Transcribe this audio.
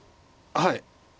はい。